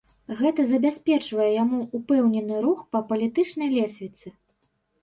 Гэта забяспечвае яму ўпэўнены рух па палітычнай лесвіцы.